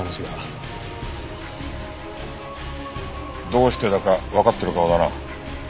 どうしてだかわかってる顔だな。